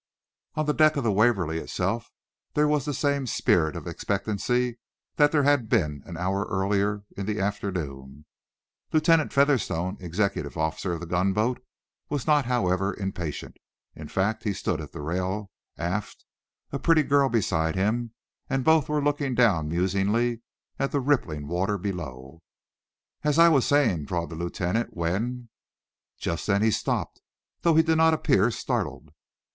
On the deck of the "Waverly" itself there was the same spirit of expectancy that there had been an hour earlier in the afternoon. Lieutenant Featherstone, executive officer of the gunboat, was not, however, impatient. In fact, he stood at the rail, aft, a pretty girl beside him, and both were looking down musingly at the rippling water below. "As I was saying," drawled the lieutenant, "when " Just then he stopped, though he did not appear startled.